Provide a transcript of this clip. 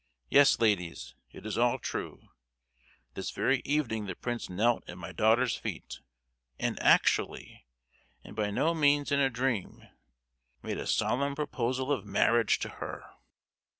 Yes, ladies, it is all true! This very evening the prince knelt at my daughter's feet, and actually, and by no means in a dream, made a solemn proposal of marriage to her!"